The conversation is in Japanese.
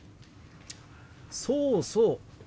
そうそう。